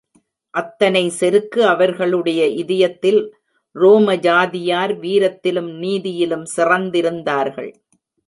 அத்தனை செருக்கு அவர்களுடைய இதயத்தில் ரோம ஜாதியார் வீரத்திலும் நீதியிலும் சிறந்திருந்தார்கள்.